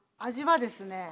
味はですね